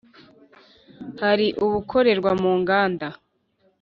hari ubukorerwa mu nganda